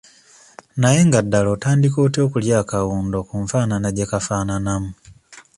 Naye nga ddala otandika otya okulya akawundo ku nfaanana gye kafaananamu?